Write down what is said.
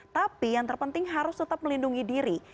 tapi yang terpenting harus tetap melindungi diri